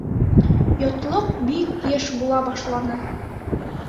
Йотлоҡ бик йыш була башланы.